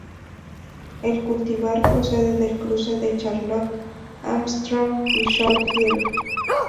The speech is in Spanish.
El cultivar procede del cruce de 'Charlotte Armstrong' x 'Show Girl'.